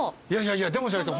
いや「でも」じゃなくて